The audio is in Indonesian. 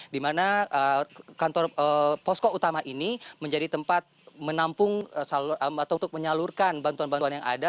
di mana kantor posko utama ini menjadi tempat menampung atau untuk menyalurkan bantuan bantuan yang ada